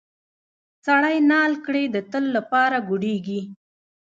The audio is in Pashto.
سړی نال کړې د تل لپاره ګوډیږي.